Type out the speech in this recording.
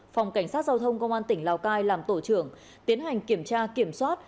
phòng cảnh sát giao thông công an tỉnh lào cai làm tổ trưởng tiến hành kiểm tra kiểm soát